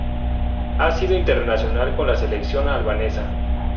Ha sido internacional con la Selección Albanesa.